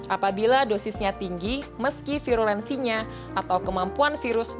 apabila dosisnya tinggi meski virulensinya atau kemampuan virusnya